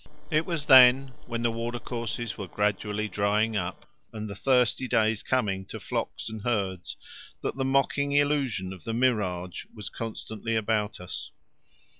It was then, when the water courses were gradually drying up and the thirsty days coming to flocks and herds, that the mocking illusion of the mirage was constantly about us.